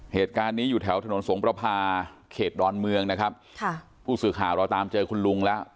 เหตุการณ์นี้อยู่แถวถนนสงประพาเขตดอนเมืองนะครับค่ะผู้สื่อข่าวเราตามเจอคุณลุงแล้ว